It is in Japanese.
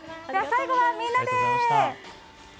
最後はみんなで！